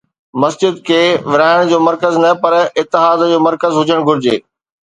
مسجد کي ورهائڻ جو مرڪز نه پر اتحاد جو مرڪز هجڻ گهرجي.